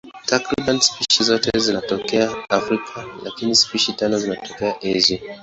Takriban spishi zote zinatokea Afrika, lakini spishi tano zinatokea Asia.